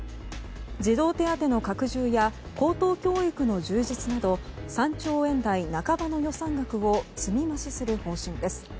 児童手当の拡充や高等教育の充実など３兆円台半ばの予算額を積み増しする方針です。